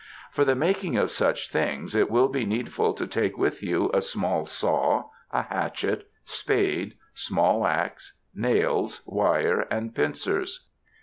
For the making of such things, it will be needful to take with you a small saw, a hatchet, spade, small axe, nails, wire and pincers.